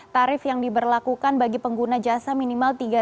tarif yang diberlakukan bagi pengguna jasa minimal tiga